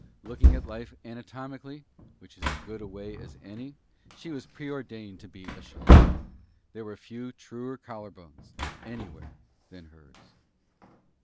Looking at Life anatomically, which is as good a way as any, she was preordained to be a Shoulder. There were few truer collar bones anywhere than hers.